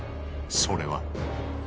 それは。